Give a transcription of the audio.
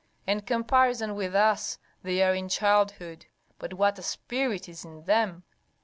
In comparison with us they are in childhood, but what a spirit is in them!